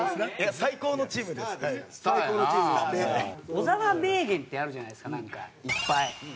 小沢名言ってあるじゃないですかなんかいっぱい。